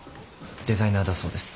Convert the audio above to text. デザイナーだそうです。